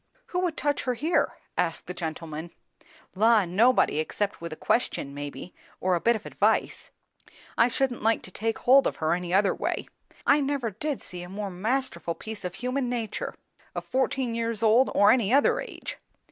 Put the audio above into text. "Who would touch her, here?" asked the gentleman. "La! nobody, except with a question maybe, or a bit of advice. I shouldn't like to take hold of her any other way. I never did see a more masterful piece of human nature, of fourteen years old or any other age.